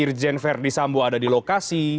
irjen ferdisambo ada di lokasi